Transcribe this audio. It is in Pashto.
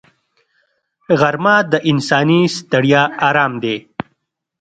غرمه د انساني ستړیا آرام دی